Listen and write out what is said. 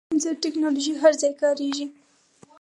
د سنسر ټکنالوژي هر ځای کارېږي.